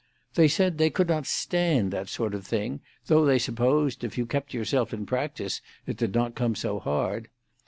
They said they could not stand that sort of thing, though they supposed, if you kept yourself in practice, it did not come so hard.